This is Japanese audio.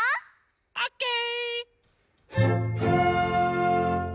オッケー！